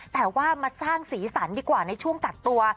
แต่ว่ามาสร้างสีสันดีกว่าในช่วงกักตัว